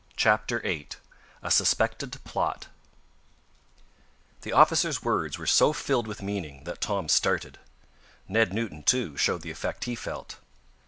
CHAPTER VIII A SUSPECTED PLOT The officer's words were so filled with meaning that Tom started. Ned Newton, too, showed the effect he felt.